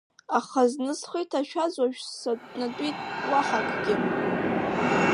Аха зны схы иҭашәаз уажә сатәнатәит, уаҳа акгьы.